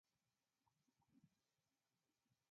زما پلار د کلي د شورا مشر ده او د خلکو ستونزې حل کوي